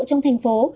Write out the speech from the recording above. trong thành phố